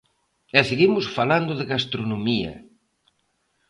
E seguimos falando de gastronomía.